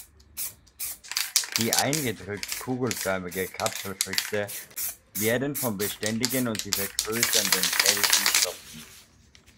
Die eingedrückt kugelförmige Kapselfrüchte werden vom beständigen und sich vergrößernden Kelch umschlossen.